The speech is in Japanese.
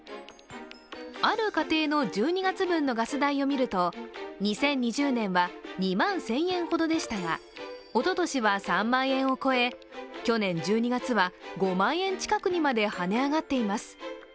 ある家庭の１２月分のガス代を見ると、２０２０年は２万１０００円ほどでしたが、おととしは３万円を超え去年１２月は５万円近くにまで跳ね上がっています。